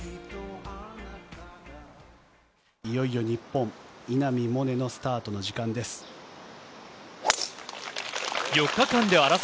いよいよ日本、稲見萌寧のスタートの時間です。